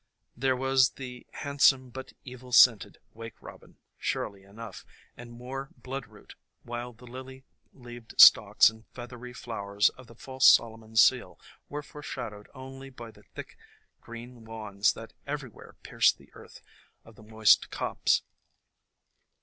There was the handsome but evil scented Wake Robin, surely enough, and more Bloodroot, while the lily leaved stalks and feathery flowers of the False Solomon's Seal were foreshadowed only by THE COMING OF SPRING thick green wands that everywhere pierced the earth of the moist copse.